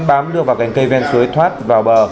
bám đưa vào cành cây ven suối thoát vào bờ